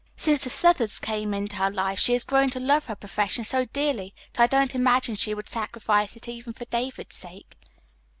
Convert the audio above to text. Since the Southards came into her life she has grown to love her profession so dearly that I don't imagine she would sacrifice it even for David's sake."